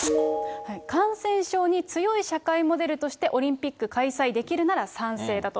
感染症に強い社会モデルとしてオリンピック開催できるなら賛成だと。